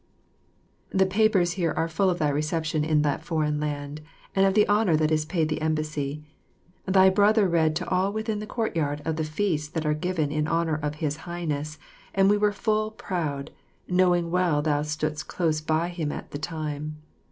The papers here are full of thy reception in that foreign land and of the honour that is paid the embassy. Thy brother read to all within the courtyard of the feasts that are given in honour of His Highness, and we were full proud, knowing well thou stoodst close by him at the time.